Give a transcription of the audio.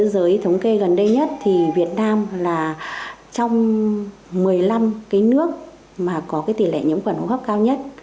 trong thế giới thống kê gần đây nhất việt nam là trong một mươi năm nước có tỷ lệ nhiễm khuẩn hô hấp cao nhất